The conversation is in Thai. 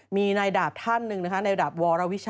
มีในดาบท่านหนึ่งในดาบวรวิชัย